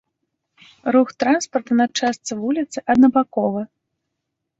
Рух транспарта на частцы вуліцы аднабаковы.